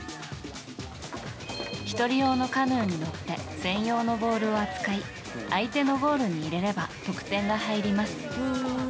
１人用のカヌーに乗って専用のボールを扱い相手のゴールに入れれば得点が入ります。